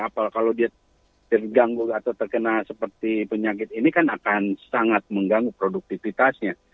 apalagi kalau dia terganggu atau terkena seperti penyakit ini kan akan sangat mengganggu produktivitasnya